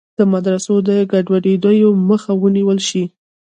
د مدرسو د ګډوډیو مخه ونیول شي.